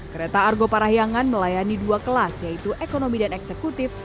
kereta argo parahyangan melayani dua kelas yaitu ekonomi dan eksekutif